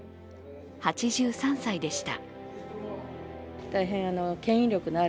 ８３歳でした。